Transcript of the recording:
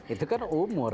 itu kan umur